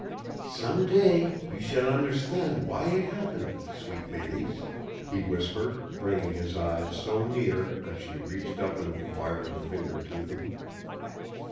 "Some day you shall understand why it happened, sweet Mélisse," he whispered, bringing his eyes so near that she reached up an inquiring finger to them.